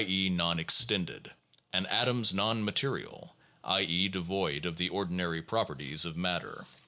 e., non extended) and atoms non material (i. e., devoid of the ordinary properties of matter).